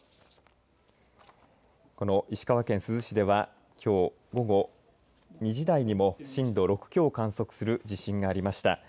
この石川県珠洲市ではきょう午後２時台にも震度６強を観測する地震がありました。